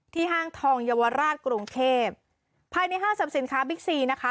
ห้างทองเยาวราชกรุงเทพภายในห้างสรรพสินค้าบิ๊กซีนะคะ